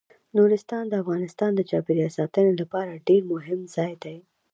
نورستان د افغانستان د چاپیریال ساتنې لپاره ډیر مهم ځای دی.